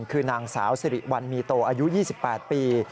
คือนางสาวสิริวัลมีโตอายุ๒๘ปี